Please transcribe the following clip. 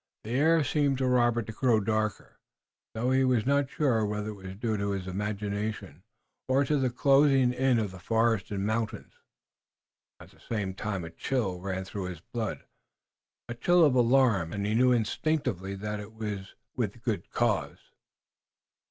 The air seemed to Robert to grow darker, though he was not sure whether it was due to his imagination or to the closing in of the forests and mountains. At the same time a chill ran through his blood, a chill of alarm, and he knew instinctively that it was with good cause.